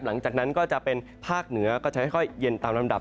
หลังจากนั้นก็จะเป็นภาคเหนือก็จะค่อยเย็นตามลำดับ